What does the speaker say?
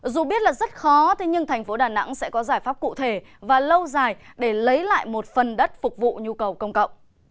dù biết là rất khó nhưng thành phố đà nẵng sẽ có giải pháp cụ thể và lâu dài để lấy lại một phần đất phục vụ nhu cầu công cộng